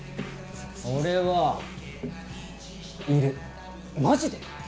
俺はいるマジで！？